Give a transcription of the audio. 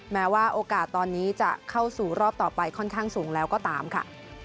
แม้ว่าโอกาสตอนนี้จะเข้าสู่รอบต่อไปค่อนข้างสูงแล้วก็ตามค่ะ